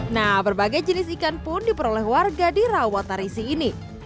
nah berbagai jenis ikan pun diperoleh warga di rawa tarisi ini